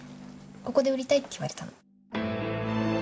ここで売りたいって言われたの。